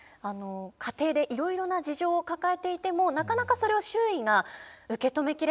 家庭でいろいろな事情を抱えていてもなかなかそれを周囲が受け止め切れていなかったりですとか